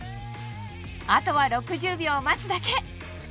あとは６０秒待つだけ！